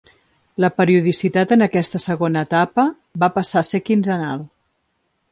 La periodicitat en aquesta segona etapa va passar a ser quinzenal.